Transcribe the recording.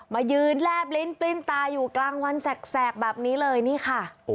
มายืนแลบลิ้นปลิ้นตาอยู่กลางวันแสกแบบนี้เลยนี่ค่ะ